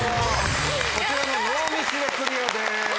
こちらノーミスでクリアです。